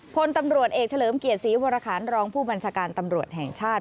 พลตำรวจเอกเฉลิมเกียรติศรีวรคารรองผู้บัญชาการตำรวจแห่งชาติ